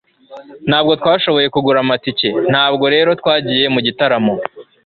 ntabwo twashoboye kugura amatike, ntabwo rero twagiye mu gitaramo